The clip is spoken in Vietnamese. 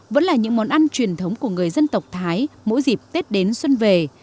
vẫn là những món ăn truyền thống của người dân tộc thái mỗi dịp tết đến xuân về